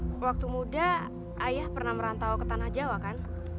waktu muda ayah pernah merantau ke tanah jawa kan